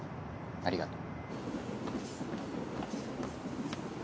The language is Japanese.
ありがとう。